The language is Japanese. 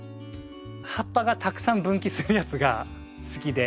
葉っぱがたくさん分岐するやつが好きで。